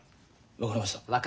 分かりました。